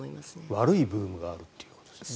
悪いブームがあるということですね。